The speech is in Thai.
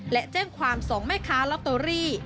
และแจ้งความ๒แม่ค้าลอตเตอรี่